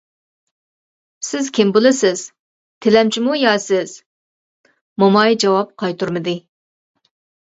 -سىز كىم بولىسىز؟ تىلەمچىمۇ يا سىز؟ موماي جاۋاب قايتۇرمىدى.